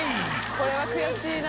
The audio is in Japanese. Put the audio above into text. これは悔しいな。